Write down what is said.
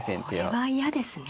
これは嫌ですね。